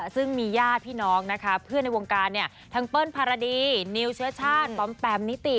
ซึ่งมีญาติพี่น้องนะคะเพื่อนในวงการทั้งเปิ้ลภารดีนิวเชื้อชาติปอมแปมนิติ